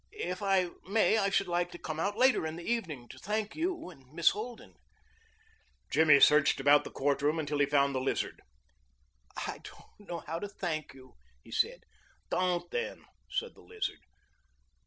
If I may I should like to come out later in the evening to thank you and Miss Holden." Jimmy searched about the court room until he found the Lizard. "I don't know how to thank you," he said. "Don't then," said the Lizard.